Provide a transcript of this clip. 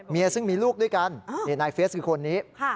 ซึ่งมีลูกด้วยกันนายเฟียสคือคนนี้